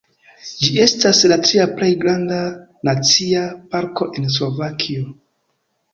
Ĝi estas la tria plej granda nacia parko en Slovakio.